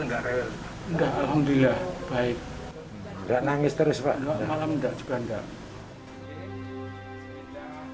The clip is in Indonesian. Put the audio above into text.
enggak malam enggak juga enggak